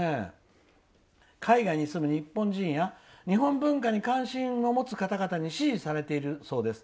「海外に住む日本人や日本文化に関心を持つ方々に支持されているそうです。